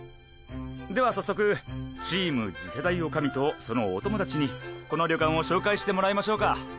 では早速チーム次世代女将とそのお友達にこの旅館を紹介してもらいましょうか。